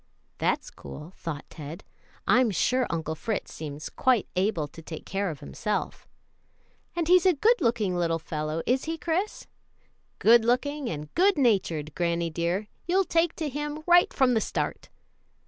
"That's cool," thought Ted; "I'm sure Uncle Fritz seems quite able to take care of himself." "And he's a good looking little fellow, is he, Chris?" "Good looking and good natured, granny dear; you'll take to him right from the start."